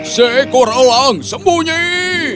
seekor olang sembunyi